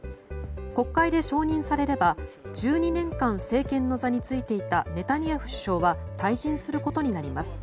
国会で承認されれば１２年間政権の座についていたネタニヤフ首相は退陣することになります。